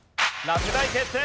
落第決定！